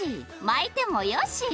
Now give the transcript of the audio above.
巻いてもよし！